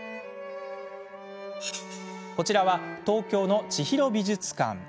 こちらは東京の、ちひろ美術館。